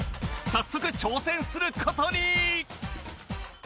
早速挑戦する事に